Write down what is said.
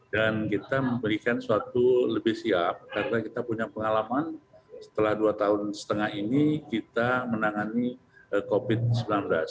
dan kita memberikan suatu lebih siap karena kita punya pengalaman setelah dua tahun setengah ini kita menangani covid sembilan belas